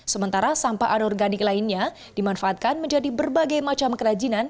sementara sampah anorganik lainnya dimanfaatkan menjadi berbagai macam kerajinan